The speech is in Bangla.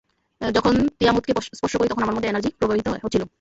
যখন তিয়ামুতকে স্পর্শ করি, তখন আমার মধ্যে এনার্জি প্রবাহিত হচ্ছিল।